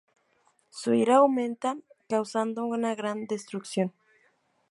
Su ira aumenta, causando una gran destrucción.